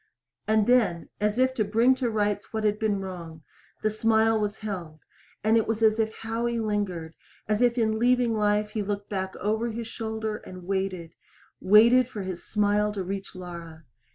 And, as if to bring to rights what had been wrong, the smile was held, and it was as if Howie lingered, as if in leaving life he looked back over his shoulder and waited waited for his smile to reach Laura.